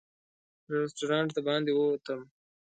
له رسټورانټ د باندې ووتم.